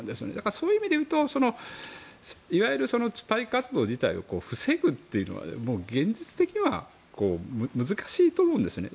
そういう意味で言うといわゆるスパイ活動自体を防ぐというのは現実的には難しいと思うんですね。